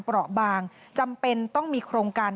เพราะบางจำเป็นต้องมีโครงการ